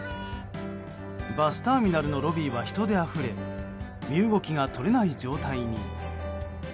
バスターミナルのロビーは人であふれ身動きが取れない状態に。